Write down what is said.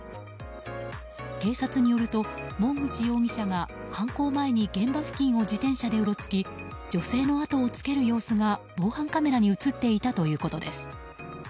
警察によると門口容疑者が犯行前に現場付近を自転車でうろつき女性の後をつける様子が防犯カメラに映っていたということです。